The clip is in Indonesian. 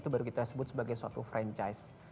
baru kita sebut sebagai suatu franchise